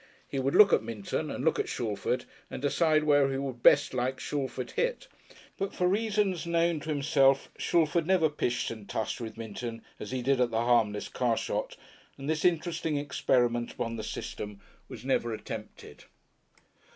He would look at Minton and look at Shalford, and decide where he would best like Shalford hit.... But for reasons known to himself Shalford never pished and tushed with Minton, as he did at the harmless Carshot, and this interesting experiment upon the System was never attempted.